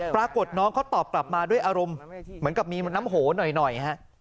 ปรากฏน้องเขาตอบกลับมาด้วยอารมณ์เหมือนกับมีน้ำโหหน่อยฮะ